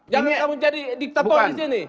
jangan kamu jadi diktator di sini